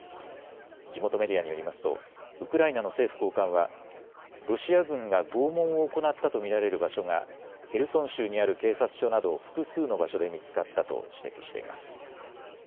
地元メディアによりますとウクライナの政府高官はロシア軍が拷問を行ったと見られる場所がヘルソン州にある警察署など複数の場所で見つかったと指摘しています。